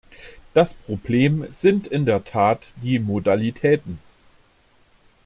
Das Problem sind in der Tat die Modalitäten.